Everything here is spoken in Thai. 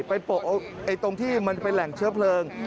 โปะตรงที่มันเป็นแหล่งเชื้อเพลิง